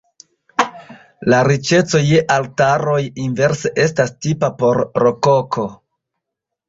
La riĉeco je altaroj inverse estas tipa por rokoko.